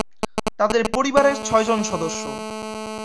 তাদের পরিবারের ছয়জন সদস্য।